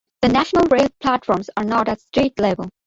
The National Rail platforms are not at street level.